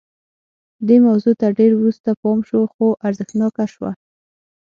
دې موضوع ته ډېر وروسته پام شو خو ارزښتناکه شوه